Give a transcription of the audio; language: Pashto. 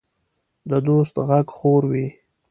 د دوست غږ خوږ وي.